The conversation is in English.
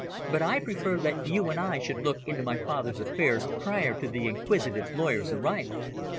But I prefer that you and I should look into my father's affairs prior to the inquisitive lawyer's arrival."